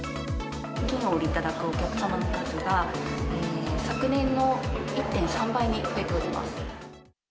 金をお売りいただくお客様の数が、昨年の１．３倍に増えております。